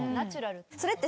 それって。